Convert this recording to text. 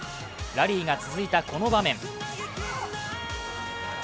ラリーが続いたこの場面。